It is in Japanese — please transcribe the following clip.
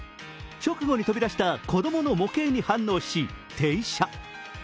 直後に飛び出した子供の模型に反応し、停車。